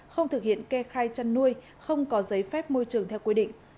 không thực hiện kê khai chăn nuôi không có giấy phép môi trường theo quy định